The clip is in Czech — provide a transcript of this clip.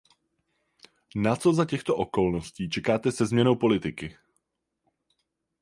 Na co za těchto okolností čekáte se změnou politiky?